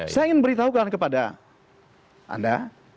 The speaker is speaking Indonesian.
saya ingin beritahukan kepada anda